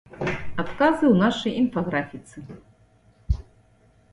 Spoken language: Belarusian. Адказы ў нашай інфаграфіцы.